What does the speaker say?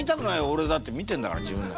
おれだって見てんだから自分の。